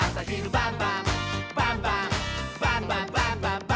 「バンバンバンバンバンバン！」